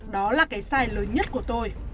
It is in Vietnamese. đó là cái sai lớn nhất của tôi